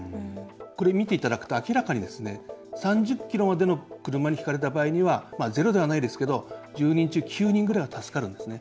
これを見ていただくと明らかに３０キロまでの車にひかれた場合にはゼロではないですけど１０人中９人ぐらいは助かるんですね。